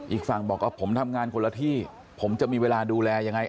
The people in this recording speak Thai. อีกฝั่งบอกว่าผมทำงานคนละที่ผมจะมีเวลาดูแลยังไง